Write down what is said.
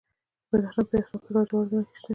د بدخشان په یفتل کې د لاجوردو نښې شته.